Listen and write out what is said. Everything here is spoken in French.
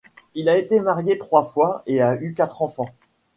Il a été marié trois fois et a eu quatre enfants.